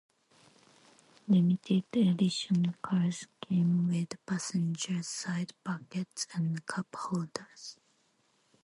Limited edition cars came with passenger side baskets and cup holders.